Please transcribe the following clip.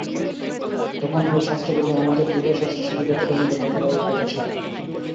তখন ঐ শাস্ত্রগুলি আমাদের হৃদয়শাস্ত্রের সঙ্গে যতটা মেলে, ততটাই তাদের সার্থকতা।